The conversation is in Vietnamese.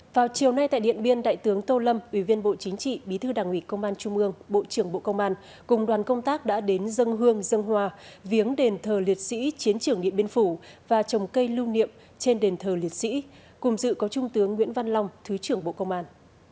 vào chiều nay tại điện biên đại tướng tô lâm ủy viên bộ chính trị bí thư đảng ủy công an trung ương bộ trưởng bộ công an cùng đoàn công tác đã đến dân hương dân hòa viếng đền thờ liệt sĩ chiến trường điện biên phủ và trồng cây lưu niệm trên đền thờ liệt sĩ cùng dự có trung tướng nguyễn văn long thứ trưởng bộ công an